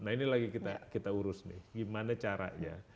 nah ini lagi kita urus nih gimana caranya